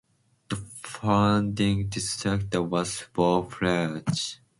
The founding director was Bob Lawrence.